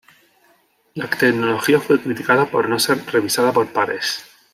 La tecnología fue criticada por no ser revisada por pares.